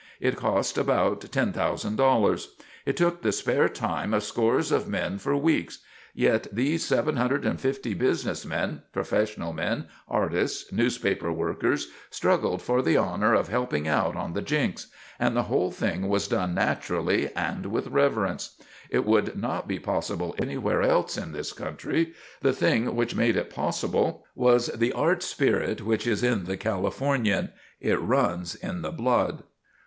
It cost about $10,000. It took the spare time of scores of men for weeks; yet these 750 business men, professional men, artists, newspaper workers, struggled for the honor of helping out on the Jinks; and the whole thing was done naturally and with reverence. It would not be possible anywhere else in this country; the thing which made it possible was the art spirit which is in the Californian. It runs in the blood.